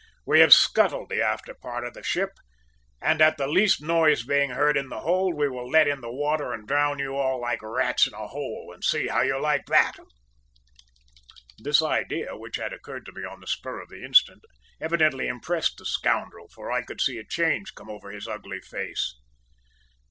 `We have scuttled the after part of the ship, and at the least noise being heard in the hold we will let in the water and drown you all like rats in a hole, and see how you like that!' "This idea, which occurred to me on the spur of the instant, evidently impressed the scoundrel, for I could see a change come over his ugly face.